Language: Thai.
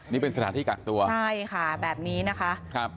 นี่เป็นสถานที่กักตัวใช่ค่ะแบบนี้นะคะครับ